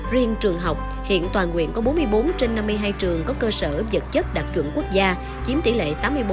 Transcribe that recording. riêng trường học hiện toàn quyện có bốn mươi bốn trên năm mươi hai trường có cơ sở dật chất đặc trưởng quốc gia chiếm tỷ lệ tám mươi bốn sáu